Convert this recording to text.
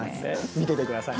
見ててください。